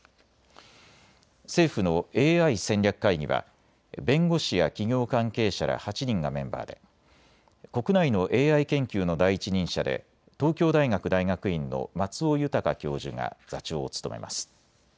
政府のＡＩ戦略会議は弁護士や企業関係者ら８人がメンバーで国内のＡＩ研究の第一人者で東京大学大学院の松尾豊教授が座長を務めます。